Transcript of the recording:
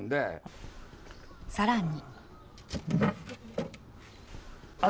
さらに。